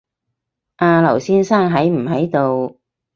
阿劉先生喺唔喺度